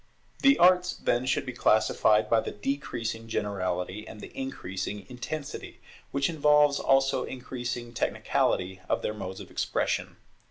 The arts, then, should be classified by the decreasing generality and the increasing intensity, which involves also increasing technicality, of their modes of expression.